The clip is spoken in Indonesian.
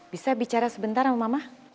bisa bicara sebentar sama mama